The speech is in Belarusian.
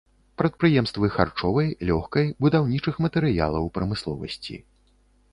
Прадпрыемствы харчовай, лёгкай, будаўнічых матэрыялаў прамысловасці.